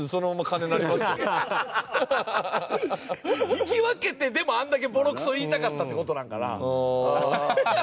引き分けてでもあれだけボロクソ言いたかったって事なんかな。